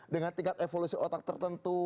dengan tingkat evolusi otak tertentu